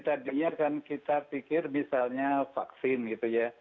tadinya kan kita pikir misalnya vaksin gitu ya